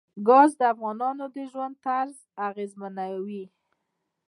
ګاز د افغانانو د ژوند طرز اغېزمنوي.